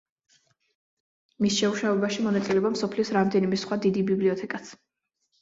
მის შემუშავებაში მონაწილეობა მსოფლიოს რამდენიმე სხვა დიდი ბიბლიოთეკაც.